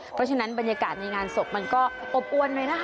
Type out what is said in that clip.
เพราะฉะนั้นบรรยากาศในงานศพมันก็อบอวนหน่อยนะคะ